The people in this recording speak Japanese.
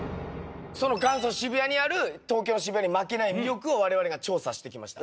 その元祖・渋谷にある東京・渋谷に負けない魅力を我々が調査してきました。